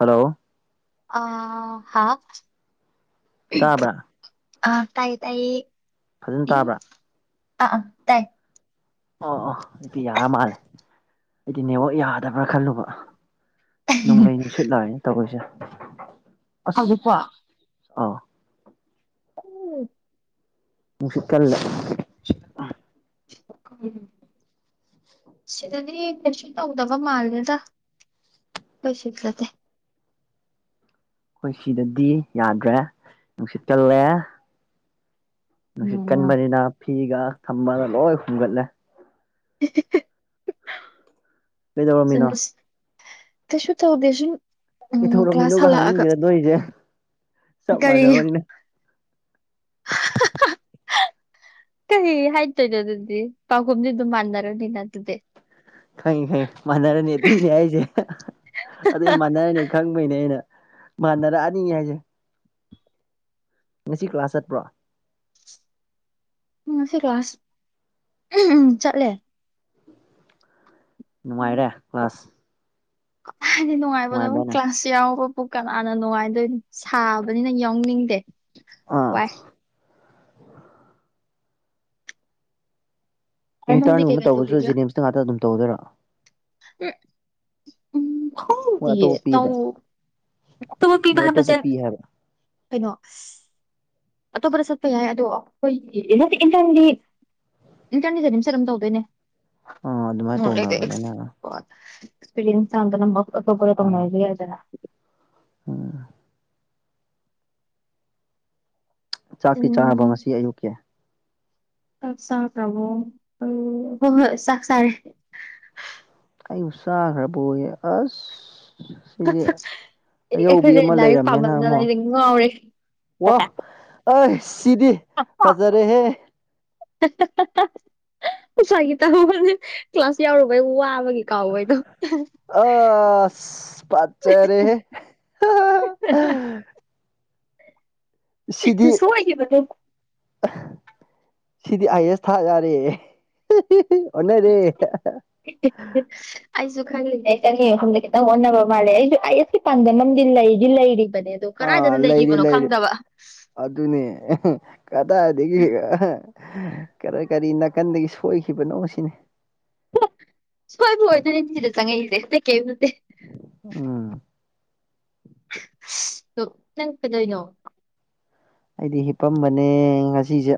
hello ꯑ ꯍꯥꯥ ꯇꯥꯕ꯭ꯔ ꯑ ꯇꯥꯏ ꯇꯥꯏ ꯐꯖꯅ ꯇꯥꯕ꯭ꯔꯥ ꯑꯥ ꯑꯥ ꯇꯥꯏ ꯑꯣ ꯑꯣ ꯑꯩꯗꯤ ꯌꯥꯔ ꯃꯥꯜꯂꯦ ꯑꯩꯗꯤ ꯅꯦꯉ ꯌꯥꯗꯕ꯭ꯔꯥ ꯈꯜꯂꯨꯕ ꯅꯣꯡꯂꯩ ꯅꯨꯡꯁꯤꯠ ꯂꯥꯛꯑꯅꯦ ꯇꯧꯔꯣꯏꯁꯦ ꯑꯁ ꯍꯧꯖꯤꯛꯄꯣ ꯑꯥ ꯎꯁꯤꯛꯇꯂ ꯎꯝ ꯁꯤꯗꯗꯤ ꯀꯩꯁꯨ ꯇꯧꯗꯕ ꯃꯥꯜꯂꯦꯗ ꯀꯩꯁꯤꯛ ꯆꯦ ꯑꯩꯈꯣꯏ ꯁꯤꯗꯗꯤ ꯌꯥꯗ꯭ꯔꯦ ꯅꯨꯡꯁꯤꯠ ꯀꯜꯂꯦ ꯅꯨꯡꯁꯤꯠ ꯑꯣ ꯀꯟꯕꯅꯤꯅ ꯐꯤꯒ ꯊꯃꯒ ꯂꯣꯏ ꯍꯨꯝꯒꯠꯂꯦ [inaudible] ꯄꯩꯗꯧꯔꯣ ꯃꯤꯅꯥꯣ ꯇꯁꯨ ꯇꯗꯁꯨꯝ ꯎꯝ ꯀ꯭ꯂꯥꯁ ꯀꯩꯗꯧꯔꯝꯃꯤꯅꯣꯒ ꯍꯜꯂꯛꯑꯒ ꯍꯪꯅꯤꯡꯗꯦꯗ ꯅꯣꯏꯁꯦ ꯆꯞ ꯀꯔꯤ ꯃꯥꯟꯅꯕꯅꯤꯅ [inaudible] ꯀꯩ ꯍꯥꯏꯗꯣꯏꯅꯣ ꯑꯗꯨꯗꯤ ꯄꯥꯎꯈꯨꯝꯗꯤ ꯑꯗꯨꯝ ꯃꯥꯟꯅꯔꯅꯤꯅ ꯑꯗꯨꯗꯤ ꯈꯪꯉ ꯈꯪ ꯃꯥꯟꯅꯔꯅꯤ ꯑꯗꯨꯏꯅꯦ ꯑꯩꯁꯦ ꯑꯗꯨꯏ ꯃꯥꯟꯅꯔꯅꯤ ꯈꯪꯕꯩꯅꯦ ꯑꯩꯅ ꯃꯥꯟꯅꯔꯛꯑꯅꯤ ꯍꯥꯏꯁꯦ ꯉꯁꯤ ꯀ꯭ꯂꯥꯁ ꯆꯠꯄ꯭ꯔꯣ ꯎꯝ ꯁꯤ ꯀ꯭ꯂꯥꯁ ꯎ ꯆꯠꯂꯦ ꯅꯨꯡꯉꯥꯏꯔꯦ ꯀ꯭ꯂꯥꯁ ꯍꯥꯏꯗꯤ ꯅꯨꯡꯉꯥꯏꯕꯖꯕ ꯀ ꯅꯨꯡꯉꯥꯏꯕ꯭ꯔꯅꯦ ꯀ꯭ꯂꯥꯁꯁꯤ ꯌꯥꯌꯥ ꯄꯨ ꯀꯅꯥꯅ ꯅꯨꯡꯉꯥꯏꯗꯣꯏꯅꯤꯣ ꯁꯥꯕꯅꯤꯅ ꯌꯥꯎꯅꯤꯡꯗꯦ ꯑꯥ ꯋꯥꯏ ꯅꯪꯗꯤ ꯏꯟꯇꯔꯟꯒꯨꯝꯕ ꯀꯩꯀꯩ ꯇꯧꯕꯁꯨ ꯖꯦꯅꯤꯝꯁꯇ ꯉꯥꯛꯇ ꯑꯗꯨꯝ ꯇꯧꯗꯣꯏꯔꯥ ꯑꯦ ꯎꯝ ꯃꯣꯏ ꯈꯣꯡꯦ ꯑꯇꯣꯞꯄ ꯄꯤꯕ꯭ꯔꯥ ꯇꯧꯇꯃ ꯄꯤꯕ ꯃꯣꯏ ꯍꯥꯏꯕ ꯑꯇꯣꯞꯄ ꯆ ꯄꯤ ꯍꯥꯏꯕ꯭ꯔꯥ ꯀꯩꯅꯣ ꯑꯇꯣꯞꯄꯗ ꯆꯠꯄ ꯌꯥꯏ ꯑꯗꯣ ꯑꯩꯈꯣꯏꯒꯤꯟꯗꯤ ꯏꯟꯇꯔꯅꯤꯁꯝ ꯆ ꯑꯗꯨꯝ ꯇꯧꯗꯣꯏꯅꯦ ꯑꯥ ꯑꯗꯨꯃꯥꯏꯅ ꯇꯧꯅꯕꯅꯤꯅ ꯑꯥ ꯑꯦꯛꯁꯄꯤꯔꯤꯌꯦꯟꯁ ꯅꯝꯕꯣꯒꯔ ꯇꯉꯣꯏꯔꯤ ꯑꯗꯨꯖꯅ ꯑꯝ ꯆꯥꯛꯇꯤ ꯆꯥꯅꯕ ꯎꯝ ꯉꯁꯤ ꯑꯌꯨꯛꯀꯤ ꯆꯥꯛ ꯂꯕꯣ ꯑ ꯍ ꯍꯣꯏ ꯆꯥꯛ ꯆꯥꯔꯦ ꯑꯩꯕꯨ ꯆꯥꯈ꯭ꯔꯕꯌꯦ ꯑꯁ ꯁꯤꯁꯦ ꯑꯌꯧꯕꯤ ꯑꯩꯈꯣꯏꯁꯦ ꯑꯃ ꯂꯥꯏꯔꯤꯛ ꯂꯩꯔꯝꯃꯦꯅ ꯄꯥꯝꯃꯟꯗꯅ ꯑꯃꯨꯛ ꯑꯩꯁꯦ ꯉꯥꯎꯔꯦ ꯋꯥꯍ ꯑ ꯁꯤꯗꯤ ꯐꯖꯔꯦꯍꯦ ꯁ꯭ꯥꯒꯤ ꯇꯥꯃ ꯀ꯭ꯂꯥꯁ ꯌꯥꯎꯔꯨꯕꯩ ꯋꯥꯕ ꯑꯃꯒꯤ ꯀꯥꯎꯕ ꯍꯥꯏꯗꯣ ꯑꯁ ꯐꯖꯔꯦꯍꯦ [unintelligible] ꯁꯤꯗꯤ ꯁꯨ ꯍꯥꯏꯏꯒ ꯃꯗꯨ ꯁꯤꯗꯤ ꯑꯥꯏ ꯑꯦꯁ ꯊꯥ ꯌꯥꯔꯦꯦ ꯑꯩꯁꯨ ꯈꯪꯉꯅꯦ ꯑꯩ ꯆꯐꯝꯗ ꯅꯪ ꯑꯣꯟꯅꯅꯕ ꯃꯥꯜꯂꯦ ꯑꯩꯁꯨ ꯑꯩ ꯑꯦꯁꯀꯤ ꯄꯥꯟꯗꯝ ꯑꯃꯗꯤ ꯂꯩꯁꯨ ꯂꯩꯔꯤ ꯑꯗꯣ ꯀꯗꯥꯏꯗꯅ ꯂꯩꯈꯤꯕꯅꯣ ꯈꯪꯗꯕ ꯑꯗꯨ ꯑꯗꯨꯅꯦ ꯀꯗꯥꯗꯒꯤꯒꯒ ꯀꯔꯤ ꯀꯔꯤ ꯅꯥꯀꯟꯗꯒꯤ ꯁꯣꯏꯈꯤꯕꯅꯣ ꯁꯤꯅꯦ ꯍꯣꯏ ꯍꯣꯏ ꯑꯗꯨꯅꯦ ꯁꯤꯗ ꯆꯪꯉꯛꯏꯁꯦ ꯑꯝ ꯗꯣꯛ ꯅꯪ ꯀꯗꯩꯅꯣ ꯑꯩꯗꯤ ꯍꯤꯄꯝꯕꯅꯦ ꯉꯁꯤꯁꯦ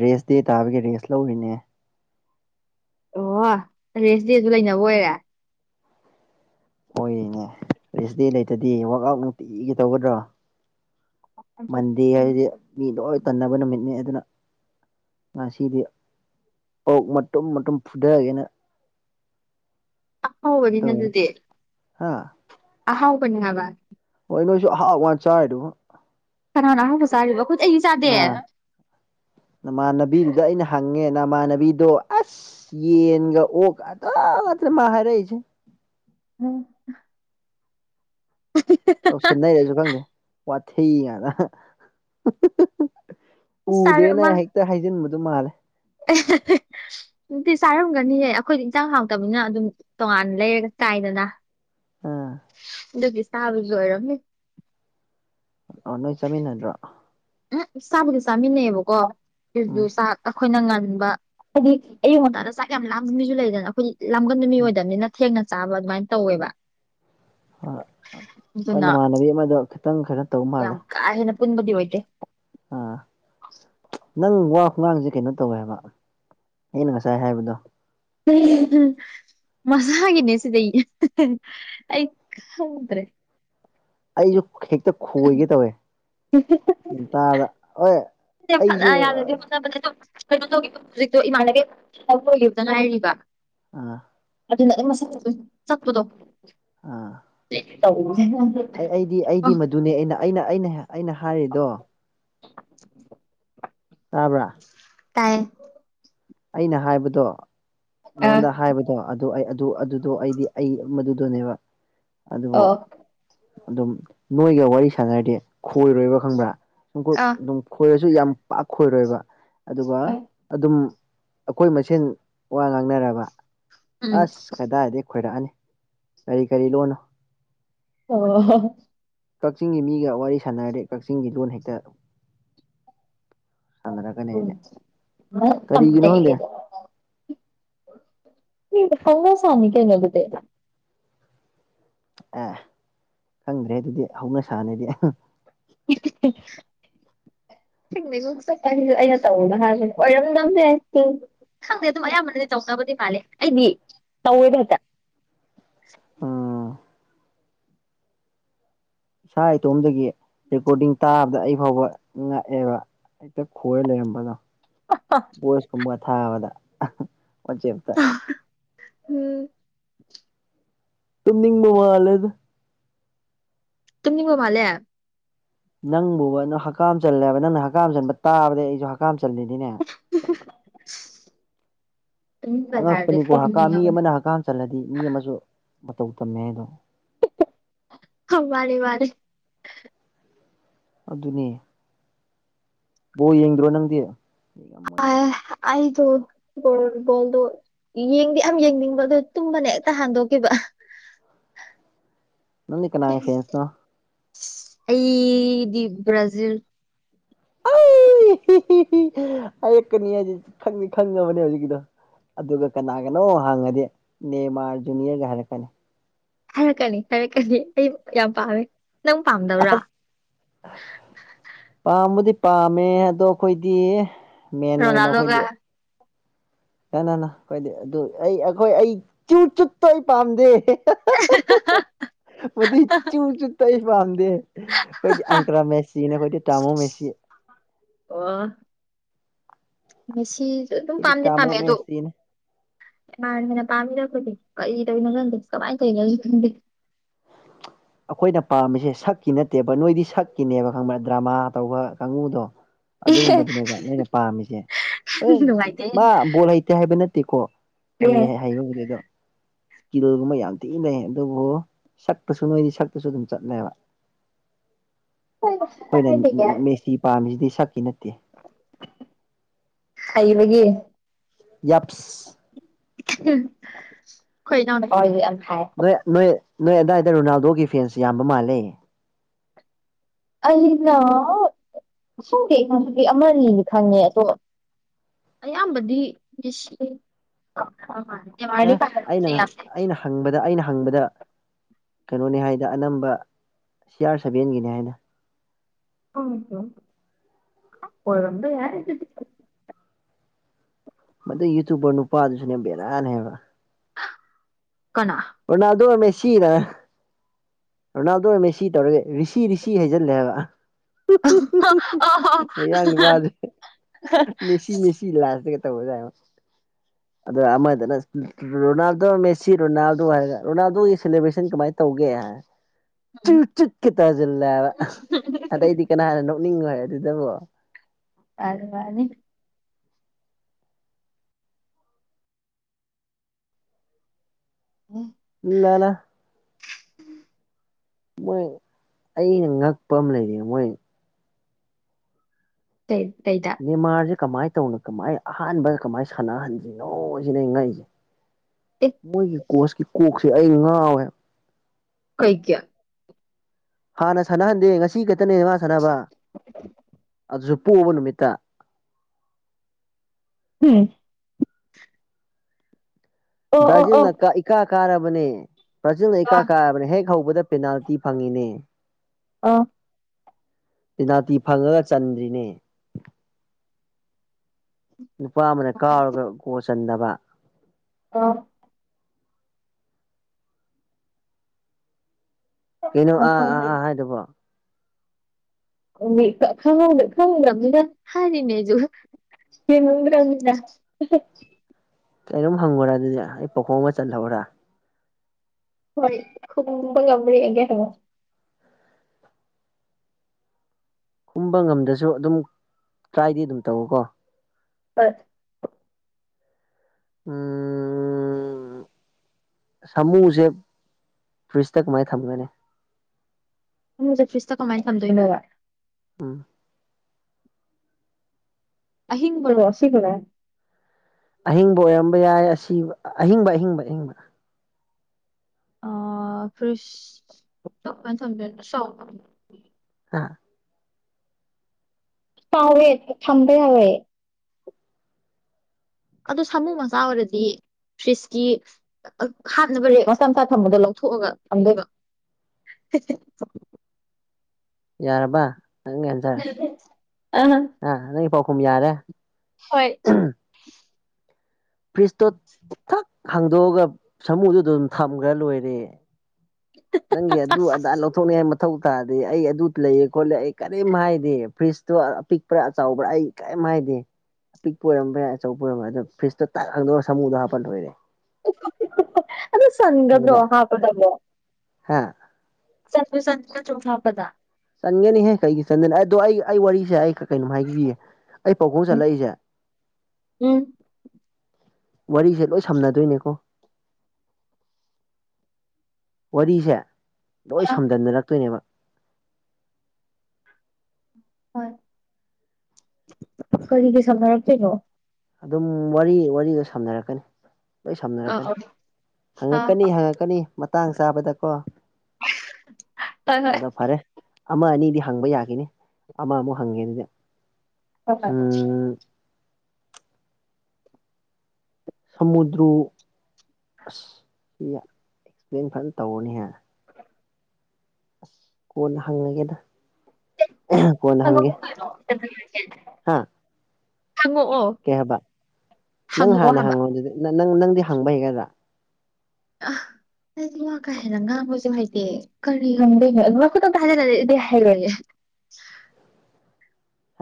ꯔꯦꯁ ꯗꯦ ꯇꯥꯕꯒꯤ ꯔꯦꯁ ꯂꯧꯔꯤꯅꯦ ꯑꯣ ꯔꯦꯁ ꯗꯦꯁꯨ ꯂꯩꯅꯕ ꯑꯣꯏꯔꯦ ꯍꯣꯏꯅꯦ ꯔꯦꯁ ꯗꯦ ꯂꯩꯇꯗꯤ ꯋꯔꯥꯛ ꯑꯥꯎꯠ ꯅꯨꯡꯇꯤꯒꯤ ꯇꯧꯒꯗ꯭ꯔꯣ ꯃꯟꯗꯦ ꯍꯥꯏꯗꯤ ꯃꯤ ꯂꯣꯏ ꯇꯟꯅꯕ ꯅꯨꯃꯤꯠꯅꯤ ꯑꯗꯨꯅ ꯉꯁꯤꯗꯤ ꯑꯣꯧ ꯃꯇꯨꯝ ꯃꯇꯨꯝ ꯐꯨꯊꯒꯦꯅ ꯍꯅꯤ ꯅ ꯑꯗꯨꯗꯦꯔ ꯍꯥꯥ ꯑꯍꯥꯎ ꯀꯅꯤ ꯍꯥꯏꯕ ꯍꯣꯏ ꯅꯣꯏꯁꯨ ꯍꯥꯎ ꯋꯥ ꯆꯥꯏꯗꯨ ꯈꯅꯥꯅꯍꯕꯨꯁꯥꯏꯔꯔꯤꯕ ꯑꯥ ꯅꯃꯥꯟꯅꯕꯤꯗꯨꯗ ꯑꯩꯅ ꯍꯪꯉꯦ ꯅꯃꯅꯕꯤꯗꯣ ꯑꯁ ꯌꯦꯟꯒ ꯑꯣꯛ ꯑꯗꯂ ꯃꯥ ꯍꯥꯔ ꯎꯝ ꯎꯝ ꯋꯥꯊ ꯌꯥꯅ ꯎꯗꯦꯅ ꯆꯥꯔꯛꯑꯃ ꯍꯦꯛꯇ ꯍꯥꯏꯖꯤꯟꯕꯗ ꯃꯥꯜꯂꯦ [unintelligible] [unintelligible] ꯅꯨꯡꯇꯤ ꯆꯥꯔꯝꯒꯅꯤꯌꯦꯦ ꯑꯩꯈꯣꯏꯗꯤ ꯏꯟꯁꯥꯡ ꯍꯥꯡꯇꯕꯅꯤꯅ ꯑꯗꯨꯝ ꯇꯣꯉꯥꯟꯅ ꯂꯩꯔꯒ ꯆꯥꯏꯗꯅ ꯑꯥ ꯑꯗꯨꯒꯤ ꯆꯥꯕꯁꯨ ꯑꯣꯏꯔꯝꯃꯦ ꯑ ꯅꯣꯏ ꯆꯠꯃꯤꯟꯅꯗ꯭ꯔꯣ ꯎ ꯆꯥꯕꯨꯗꯤ ꯆꯥꯃꯤꯟꯅꯩꯕꯀꯣ ꯎꯝ ꯑꯩꯈꯣꯏꯅ ꯉꯟꯕ ꯍꯥꯏꯗꯤ ꯑꯌꯨ ꯉꯟꯇꯥꯗ ꯆꯥꯛ ꯌꯥꯝ ꯂꯥꯝꯁꯤꯟꯕꯤꯁꯨ ꯂꯩꯗꯅ ꯑꯩꯈꯣꯏ ꯂꯝꯒꯟ ꯅꯨ ꯃꯤ ꯑꯣꯏꯗꯕꯅꯤꯅ ꯊꯦꯡꯅ ꯆꯥꯕ ꯑꯗꯨꯃꯥꯏꯅ ꯇꯧꯋꯦꯕ ꯍꯣꯏ ꯍꯣꯏ ꯑꯗꯨꯅ ꯅꯃꯥꯟꯅꯕꯤ ꯑꯃꯗꯣ ꯈꯤꯇꯪ ꯀꯩꯅꯣ ꯇꯧ ꯌꯥꯝ ꯃꯥꯜꯂꯦ ꯀꯥ ꯄꯨꯟꯕꯗꯤ ꯑꯣꯏꯣꯏꯦ ꯑꯥ ꯑ ꯅꯪ ꯋꯥ ꯈꯨꯡꯒꯥꯡꯁꯦ ꯀꯩꯅꯣ ꯇꯧꯋꯦꯕ ꯑꯩꯅ ꯉꯁꯥꯏ ꯍꯥꯏꯕꯗꯣ ꯎ ꯃꯁꯒꯤ ꯅꯁꯤꯗ ꯑꯩ ꯑ ꯈꯗ꯭ꯔꯦ ꯑꯩꯁꯨ ꯍꯦꯛꯇ ꯈꯣꯏꯒꯦ ꯇꯧꯋꯦ ꯇꯥꯗ ꯍꯣꯏ ꯑꯩꯁꯨ ꯐ ꯌꯥꯔꯗꯤ ꯐꯖꯕ ꯀꯩꯅꯣ ꯇꯧꯈꯤꯕ ꯍꯧꯖꯤꯛꯇꯣ ꯏꯃꯥꯟꯅꯩ ꯑꯣꯏꯈꯤꯕꯗꯅ ꯍꯥꯏꯔꯤꯕ ꯑ ꯑꯗꯨꯅ ꯑꯗꯨꯝ ꯃꯁꯛ ꯆ ꯆꯠꯄꯗꯣ ꯑ ꯇ ꯑꯩ ꯑꯩꯗꯤ ꯑꯩꯗꯤ ꯃꯗꯨꯅꯦ ꯑꯩꯅ ꯑꯩꯅ ꯑꯩꯅ ꯑꯩꯅ ꯍꯥꯏꯔꯤꯗꯣ [unintelligible] ꯇꯥꯕ꯭ꯔ ꯇꯥꯏꯌꯦ ꯑꯩꯅ ꯍꯥꯏꯕꯗꯣ ꯑ ꯅꯉꯣꯟꯗ ꯍꯥꯏꯕꯗꯣ ꯑꯗꯨ ꯑꯩ ꯑꯗꯨ ꯑꯗꯨꯗꯣ ꯑꯩꯗꯤ ꯑꯩ ꯃꯗꯨꯗꯣꯅꯦꯕ ꯑꯗꯨꯕꯨ ꯑꯣ ꯑꯗꯨꯝ ꯅꯣꯏꯒ ꯋꯥꯔꯤ ꯁꯥꯟꯅꯔꯗꯤ ꯈꯣꯏꯔꯣꯏꯕ ꯈꯪꯕ꯭ꯔꯥ ꯁꯨꯝ ꯑꯥ ꯑꯗꯨꯝ ꯈꯣꯏꯔ ꯁꯨ ꯌꯥꯝ ꯄꯥꯛꯈꯣꯏꯔꯣꯏꯕ ꯑꯗꯨꯒ ꯑꯗꯨꯝ ꯑꯩꯈꯣꯏ ꯃꯁꯦꯟ ꯋꯥ ꯉꯥꯡꯅꯔꯕ ꯎꯝ ꯑꯁ ꯀꯗꯥꯏꯗꯒꯤ ꯈꯣꯏꯔꯛꯑꯅꯤ ꯀꯔꯤ ꯀꯔꯤ ꯂꯣꯟꯅꯣ ꯑꯣ ꯀꯛꯆꯤꯡꯒꯤ ꯃꯤꯒ ꯋꯥꯔꯤ ꯁꯥꯟꯅꯔꯔꯦ ꯀꯛꯆꯤꯡꯒꯤ ꯂꯣꯟ ꯍꯦꯛꯇ ꯆꯟ꯭ꯔ ꯀꯅꯦꯩꯅ [inaudible] ꯐꯪꯉ ꯁꯃꯤ ꯀꯦꯩꯅ ꯑꯗꯨꯗ ꯑꯦ ꯈꯪꯗ꯭ꯔꯦ ꯑꯗꯨꯗꯤ ꯍꯧꯅ ꯁꯥꯟꯅꯗꯤ [inaudible] ꯆꯄꯒꯤꯁꯨ ꯑꯩꯅ ꯇꯧꯅ ꯍꯥꯏꯕꯅꯦ ꯑꯣꯏꯔꯝ ꯅꯝꯗꯦ ꯈꯪꯗꯦ ꯑꯗꯨꯝ ꯑꯌꯥꯝꯕꯅꯗꯤ ꯇꯧꯅꯕꯗꯤ ꯃꯥꯂꯦ ꯑꯩꯗꯤ ꯇꯧꯋꯦꯕ ꯍꯦꯛꯇ [inaudible] ꯎꯝ ꯏꯁꯥ ꯏꯇꯣꯝꯗꯒꯤ ꯔꯦꯀꯣꯔꯗꯤꯡ ꯇꯥꯕꯗ ꯑꯩ ꯐꯥꯎꯕ ꯉꯛꯑꯦꯕ ꯍꯦꯛꯇ ꯈꯣꯏꯔ ꯂꯩꯔꯝꯕꯗꯣ ꯕꯣꯁ ꯀꯨꯝꯕ ꯊꯥꯕꯗ ꯋꯥꯆꯦꯞꯇ ꯎꯝ ꯇꯨꯅꯤ ꯃꯃꯂꯗ ꯇꯨꯝꯅꯤ ꯃꯃꯂꯦ ꯅꯪꯕꯨꯕ ꯅꯪ ꯍꯛꯥꯝ ꯆꯜꯂꯦꯕ ꯅꯪꯅ ꯍꯛꯥꯝ ꯆꯟꯕ ꯇꯥꯕꯗ ꯑꯩꯁꯨ ꯍꯛꯀꯝ ꯆꯂꯅꯤꯅꯦ ꯇꯨꯝꯅꯤꯡꯕ ꯍꯥꯏꯔꯗꯤ ꯑꯉꯛꯄꯅꯤꯀꯣ ꯍꯛꯀꯝ ꯃꯤ ꯇꯨꯝꯅꯤꯡꯉꯕꯅꯤ ꯑꯃꯅ ꯍꯛꯀꯝ ꯆꯜꯂꯗꯤ ꯃꯤ ꯑꯃꯁꯨ ꯃꯇꯧ ꯇꯝꯃꯦ ꯍꯥꯏꯗꯣ ꯍ ꯃꯥꯅꯤꯦ ꯃꯥꯔꯦ ꯑꯗꯨꯅꯦ ꯕꯣ ꯌꯦꯡꯗ꯭ꯔꯣ ꯅꯪꯗꯤ ꯌꯦꯡꯉꯝꯃꯣꯏꯗ ꯑꯣ ꯌꯦꯡꯗꯤ ꯌꯥꯝ ꯌꯦꯡꯅꯤꯡꯕ ꯑꯗꯨꯣ ꯇꯨꯝꯕꯅꯦ ꯍꯦꯛꯇ ꯍꯟꯗꯣꯛꯈꯤꯕ ꯅꯅꯤ ꯀꯅꯥ ꯐꯁꯅ ꯑꯩꯗꯤ ꯕ꯭ꯔꯥꯖꯤꯜ ꯅꯤꯪ ꯈꯪꯒꯥ ꯃꯅ ꯍꯧꯖꯤ ꯀꯗ ꯑꯗꯨꯒ ꯀꯅꯥꯒꯅꯣ ꯍꯥꯡꯉꯗꯤ ꯅꯦꯃꯥꯔ ꯖꯨꯅꯤꯌꯔꯒ ꯍꯥꯏꯔꯛꯀꯅꯤ ꯍꯥꯏꯔꯛꯀꯅꯤ ꯍꯥꯏꯔꯛꯀꯅꯤ ꯑꯩ ꯌꯥꯝ ꯄꯥꯝꯃꯦ ꯅꯪ ꯄꯥꯝꯗꯕ꯭ꯔꯥ ꯄꯕꯨꯗꯤ ꯄꯥꯝꯃꯦ ꯑꯗꯣ ꯑꯩꯈꯣꯏꯗꯤ ꯃꯦꯟ ꯑꯣꯏꯅ ꯔꯣꯅꯥꯜꯗꯣꯒ ꯑꯩꯈꯣꯏꯗꯤ ꯀꯅꯥꯅ ꯍꯥꯏꯣꯏꯗꯤ ꯑꯗꯨ ꯑꯩ ꯑꯩꯈꯣꯏ ꯑꯩ ꯆꯨ ꯆꯨꯠꯇꯣ ꯑꯩ ꯄꯥꯝꯗꯦ ꯄꯊ ꯆꯨ ꯆꯨꯇꯥ ꯍ ꯄꯥꯝꯗ ꯑꯩꯣꯏꯗꯤ ꯑꯟꯀꯔꯥ ꯃꯦꯁꯤꯅꯦ ꯑꯩꯣꯏꯗꯤ ꯇꯃꯣ ꯃꯦꯁꯤ ꯃꯁꯤꯁꯨ ꯑꯗꯨꯝ ꯑꯩꯈꯣꯏꯗꯤ ꯄꯥꯝꯗꯤ ꯇꯥꯃꯣ ꯄꯥꯝꯃꯦ ꯑꯗꯣ ꯃꯦꯁꯤꯅꯦ ꯃꯥꯅ ꯃꯅ ꯄꯥꯝꯃꯤꯔꯗꯤ ꯀꯔꯤ ꯇꯧ ꯅ ꯈꯟꯇ ꯀꯃꯥꯏꯅ ꯇꯧꯟ [inaudible] ꯑꯩꯈꯣꯏꯅ ꯄꯥꯝꯃꯤꯁꯦ ꯁꯛꯀꯤ ꯅꯠꯇꯦꯕ ꯅꯣꯏꯗꯤ ꯁꯛꯀꯤꯅꯦꯕ ꯈꯪꯕ ꯗ꯭ꯔꯃꯥ ꯇꯧꯕ ꯀꯥꯡꯨꯗꯣ ꯑꯗꯨꯒꯨꯝꯕꯗꯨꯅꯦꯕ ꯅꯣꯏꯅ ꯄꯥꯝꯃꯤꯁꯦ ꯍ ꯅꯨꯡꯉꯥꯏꯇꯦ ꯃꯥ ꯕꯣꯜ ꯍꯩꯇꯦ ꯍꯥꯏꯕ ꯅꯠꯇꯦꯀꯣ ꯍ ꯍꯩꯕꯕꯨꯗꯤ ꯑꯗꯣ ꯀꯤꯂꯣꯒꯨꯝꯕ ꯌꯥꯝ ꯊꯤꯅꯩ ꯑꯗꯨꯕꯨ ꯁꯛꯇꯁꯨ ꯅꯣꯏꯗꯤ ꯁꯛꯇꯁꯨ ꯑꯗꯨꯝ ꯆꯠꯅꯩꯕ ꯑꯩꯈꯣꯏꯅ ꯃꯦꯁꯤ ꯄꯥꯝꯃꯤꯁꯤꯗꯤ ꯁꯛꯀꯤ ꯅꯠꯇꯦ ꯈꯥꯏ ꯂꯩꯒ ꯌꯥꯞꯁ ꯑꯩꯈꯣꯏ ꯅꯅ ꯅꯣꯏ ꯅꯣꯏ ꯅꯣꯏ ꯑꯗꯥꯏꯗ ꯔꯣꯅꯥꯜꯗꯣꯒꯤ ꯐꯦꯟꯁꯦ ꯌꯥꯝꯕ ꯃꯥꯜꯂꯦ ꯑꯩꯅ ꯁꯨꯝ ꯀꯦ ꯀꯩ ꯑꯃꯅꯤꯅꯤ ꯈꯪꯉꯦ ꯑꯗꯣ ꯑꯌꯥꯝꯕꯗꯤꯁꯤ ꯑꯦ ꯑꯩꯅ ꯑꯩꯅ ꯍꯪꯕꯗ ꯑꯩꯅ ꯍꯪꯕꯗ ꯀꯩꯅꯣꯅꯦ ꯍꯥꯏꯅ ꯑꯅꯝꯕ ꯁꯤ ꯑꯥꯔ ꯁꯚꯦꯟꯒꯤꯅꯦ ꯍꯥꯏꯅ ꯑꯣꯣꯔꯗ ꯌꯥꯔ ꯃꯗꯨ ꯌꯨꯇꯨꯕꯔ ꯅꯨꯄꯥꯗꯨꯁꯨꯅꯦ ꯕꯦꯔꯥꯅꯦꯕ ꯀꯅꯥ ꯎꯟꯅ ꯑꯗꯨꯔ ꯃ ꯁꯤꯤꯔ ꯔꯣꯅꯥꯜꯗꯣꯝꯃꯦ ꯁꯤ ꯇꯧꯔꯒꯦ ꯔꯤꯁꯤ ꯔꯤꯁꯤ ꯍꯩꯖꯤꯜꯂꯦ ꯍꯥꯏꯕ ꯃꯌꯥꯡꯒꯤ ꯋꯥꯁꯦ ꯃꯦꯁꯤ ꯃꯦꯁꯤ ꯂꯥꯁꯇ ꯇꯧꯕꯖꯥꯏ ꯑꯗꯣ ꯑꯃꯗꯅ ꯔꯣꯅꯥꯜꯗꯣ ꯃꯦꯁꯤ ꯔꯣꯅꯥꯜꯗꯣ ꯍꯥꯏꯔ ꯔꯣꯅꯥꯜꯗꯣꯒꯤ ꯁꯦꯂꯦꯕ꯭ꯔꯦꯁꯟ ꯀꯃꯥꯏꯅ ꯇꯧ ꯇꯒꯦ ꯆ ꯇꯁꯤꯜꯂꯕ ꯑꯗꯩꯗꯤ ꯀꯅꯥꯅ ꯄꯨꯅꯤꯡꯉ ꯑꯗꯨꯗꯕꯣ ꯑꯔꯕꯥꯅꯤ ꯑꯣ ꯏ ꯂꯅ ꯃꯣꯏ ꯑꯩꯅ ꯉꯛꯄ ꯑꯃ ꯂꯩꯔꯤ ꯃꯣꯏ ꯀꯩꯗ ꯅꯦꯃꯥꯔꯁꯦ ꯀꯃꯥꯏꯅ ꯇꯧꯅꯣ ꯀꯃꯥꯏ ꯑꯍꯥꯟꯕꯗ ꯀꯃꯥꯏꯅ ꯁꯥꯟꯅꯍꯟꯗ꯭ꯔꯤꯅꯣ ꯁꯤꯅ ꯉꯛꯏꯁꯦ ꯑꯦ ꯃꯣꯏꯒꯤ ꯀꯣꯁꯀꯤ ꯀꯣꯛꯁꯦ ꯑꯩ ꯉꯥꯎꯋꯦ ꯀꯩ ꯀ ꯍꯥꯟꯅ ꯁꯥꯟꯅꯍꯟꯗꯦ ꯉꯁꯤ ꯈꯛꯇꯅꯦ ꯃꯥ ꯁꯥꯟꯅꯕ ꯨꯄꯨꯕ ꯅꯨꯃꯤꯠꯇ ꯎꯝ ꯑꯣ ꯑꯣ ꯕ꯭ꯔꯥꯖꯤꯜꯅ ꯏꯀꯥ ꯀꯥꯔꯕꯅꯦ ꯕ꯭ꯔꯥꯖꯤꯜꯅ ꯏꯀꯥ ꯀꯥꯔꯕꯅꯤ ꯍꯦꯛ ꯊꯧꯕꯗ ꯄꯦꯅꯥꯜꯇꯤ ꯐꯪꯉꯤꯅꯦ ꯑꯥ ꯄꯦꯅꯥꯜꯇꯤ ꯐꯪꯉꯒ ꯆꯟꯗ꯭ꯔꯤꯅꯦ ꯅꯨꯄꯥ ꯑꯃꯅ ꯀꯥꯎꯔꯒ ꯀꯣꯁꯤꯟꯗꯕ ꯑ ꯀꯩꯅꯣ ꯑ ꯑꯥ ꯑꯥ ꯍꯥꯏꯗꯤ ꯄꯣ ꯈꯪ ꯍꯥꯏꯅꯤꯅꯦꯁꯨ ꯌꯦ ꯉ꯭ꯔꯗ ꯀꯣꯝ ꯍꯪꯕ꯭ꯔꯥ ꯑꯗꯨꯗꯤ ꯑꯩ ꯄꯥꯈꯣꯡ ꯑꯃ ꯆꯜꯍꯧ꯭ꯔꯥ ꯍꯣꯏ ꯈꯕ ꯉꯝꯝꯕꯔꯤꯒꯦ ꯍꯥꯏꯕ ꯍꯨꯝꯕ ꯉꯝꯗꯁꯨ ꯑꯗꯨꯝ ꯇ꯭ꯔꯥꯏꯗꯤ ꯑꯗꯨꯝ ꯇꯧꯋꯀꯣ ꯍꯠ ꯎꯝ ꯁꯥꯃꯨꯁꯦ ꯐꯨꯔꯤꯁꯇ ꯀꯃꯥꯏꯅ ꯊꯝꯒꯅꯤ ꯁꯇ ꯀꯃꯥꯏꯅ ꯊꯝꯗꯣꯏꯅꯕ ꯑꯥ ꯑꯍꯤꯡ ꯃꯔꯔꯣ ꯁꯤꯒ꯭ꯔꯦ ꯑꯍꯤꯡꯕ ꯑꯣꯏꯔꯝꯕ ꯌꯥꯏ ꯑꯁꯤ ꯑꯍꯤꯡꯕ ꯑꯍꯤꯡꯕ ꯑꯍꯤꯡꯕ ꯑ ꯐ ꯊꯣꯛ ꯊꯖ ꯁꯣ ꯍꯥꯥ ꯆꯥꯎꯋꯦ ꯊꯝꯝꯕ ꯌꯥꯋꯦ ꯑꯗꯨ ꯁꯥꯃꯨ ꯃꯆꯥ ꯑꯣꯏꯔꯗꯤ ꯐ꯭ꯔꯤꯁꯀꯤ ꯍꯥꯞꯅꯕ ꯔꯦꯛ ꯃꯆꯥ ꯃꯆꯥ ꯊꯝꯕꯗ ꯂꯧꯊꯣꯛꯑꯒ ꯊꯝꯗꯣꯏꯕ [inaudible] ꯌꯥꯔꯕ ꯅꯪꯟꯖꯔ ꯑ ꯑꯥ ꯅꯪꯒꯤ ꯄꯥꯎꯈꯨꯝ ꯌꯥꯔꯦ ꯍꯣꯏ ꯐ꯭ꯔꯤꯖꯇꯣ ꯊꯛ ꯍꯥꯡꯗꯣꯛꯑꯒ ꯁꯥꯃꯨꯗꯨꯗ ꯑꯗꯨꯝ ꯊꯝꯈ꯭ꯔ ꯂꯣꯏꯔꯦ ꯅꯪ ꯑꯗꯨ ꯑꯗꯨ ꯑꯜꯣ ꯇ ꯊꯧꯅꯤ ꯍꯥꯏ ꯃ ꯃꯊꯧ ꯇꯥꯗꯦ ꯑꯩ ꯑꯗꯨ ꯂꯩ ꯈꯣꯠꯂꯦ ꯑꯩ ꯀꯔꯤꯝ ꯍꯥꯏꯗꯦ ꯐ꯭ꯔꯤꯖꯇꯣ ꯑꯄꯤꯛꯄ꯭ꯔꯥ ꯑ ꯆꯥꯎꯕ꯭ꯔꯥ ꯑꯩ ꯀꯔꯤ ꯍꯥꯏꯥꯏꯗꯤꯦ ꯑꯄꯤꯛꯄ ꯑꯣꯏꯔꯝꯕ ꯌꯥꯏ ꯑꯆꯧꯕ ꯑꯣꯏꯔꯝꯕ ꯑꯗꯣ ꯐ꯭ꯔꯤꯖꯇꯣ ꯇꯥꯛ ꯈꯪꯗꯧ ꯁꯃꯨꯗꯣ ꯍꯥꯞꯄꯜ ꯂꯣꯏꯔꯦ ꯑꯗꯣ ꯁꯒꯗ꯭ꯔꯣ ꯍꯥꯄꯗꯕꯣ ꯍꯥꯦ ꯁꯅ ꯆꯧꯊꯥ ꯄꯗ ꯁꯖꯅꯤ ꯍꯦ ꯀꯩꯒꯤ ꯁꯅꯤ ꯑ ꯋꯥꯔꯤꯁꯦ ꯀꯩꯅꯣꯝ ꯍꯥꯏꯕꯤꯌꯦ ꯑꯩ ꯄꯥꯎꯈꯣꯡ ꯎꯝ ꯆꯠꯂꯛꯏꯁꯦ ꯎꯝ ꯋꯥꯔꯤꯁꯦ ꯂꯣꯏ ꯁꯝꯅꯗꯣꯏꯅꯦꯀꯣ ꯋꯥꯔꯤꯁꯦ ꯂꯣꯏ ꯑ ꯁꯝꯗꯗꯔꯛꯇꯣꯏꯅꯦꯕ ꯍꯣꯏ ꯀꯔꯤꯒꯤꯩ ꯁꯝꯅꯔꯛꯀꯣꯏꯅꯣ ꯑꯗꯨꯝ ꯋꯥꯔꯤ ꯋꯥꯔꯤꯒ ꯁꯝꯅꯔꯛꯀꯅꯤ ꯂꯣꯏ ꯑ ꯁꯝꯅꯔꯛꯀꯅꯤ ꯑ ꯑ ꯍꯪꯉꯛꯀꯅꯤ ꯍꯪꯉꯛꯀꯅꯤ ꯃꯇꯥꯡ ꯆꯥꯕꯗꯀꯣ ꯍꯣꯏ ꯍꯣꯏ ꯑꯗ ꯐꯔꯦ ꯑꯃ ꯑꯅꯤꯗꯤ ꯍꯪꯕ ꯌꯥꯈꯤꯅꯤ ꯑꯃꯃꯨꯛ ꯍꯪꯉꯦ ꯑꯗꯨꯗ ꯍ ꯐ ꯁꯃꯨꯗ꯭ꯔꯨ ꯑꯁ ꯁꯤ ꯑꯦꯛꯁꯄ꯭ꯂꯦꯟ ꯐꯖꯅ ꯇꯧꯔꯅꯤꯍꯦ ꯑꯁ ꯀꯣꯟꯅ ꯍꯪꯉꯒꯦꯗ ꯀꯣꯟꯅ ꯍꯪꯒꯦ [inaudible] ꯍꯥꯥ ꯍꯪꯉꯛꯑꯣ ꯀꯩ ꯍꯥꯏꯕ ꯅꯪ ꯍꯪꯉꯛꯑꯣ ꯍꯥꯟꯅ ꯍꯥꯏꯕ ꯍꯪꯉꯣ ꯑꯗꯨꯗꯤ ꯅꯪ ꯅꯪꯗꯤ ꯍꯪꯕ ꯍꯩꯒꯗ꯭ꯔꯥ ꯑ ꯍꯥꯏꯗꯤ ꯉ ꯀꯥ ꯍꯥꯏꯦꯟꯅ ꯉꯥꯡꯕꯁꯨ ꯍꯥꯏꯗꯤ ꯀꯔꯤ ꯈꯪꯗꯣꯏꯅꯣꯖꯗꯤ ꯍꯥꯏꯔꯣꯏꯦ [inaudible]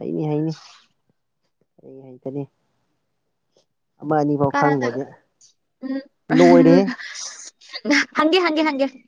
ꯍꯩꯅꯤ ꯍꯩꯅꯤ ꯑꯩ ꯍꯩꯇꯅꯤ ꯑꯃ ꯑꯅꯤꯐꯥꯎ ꯀꯔꯗꯒ ꯈꯪꯗ꯭ꯔꯗꯤ ꯎꯝ ꯂꯣꯏꯔꯦꯍꯦ ꯍꯪꯦ ꯍꯪꯦ ꯍꯦ